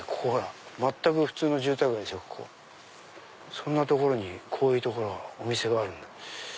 そんな所にこういう所がお店があるんだ。